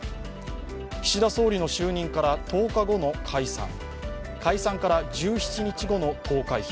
岸田総理の就任から１０日後の解散、解散から１７日後の投開票